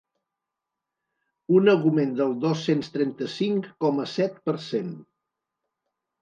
Un augment del dos-cents trenta-cinc coma set per cent.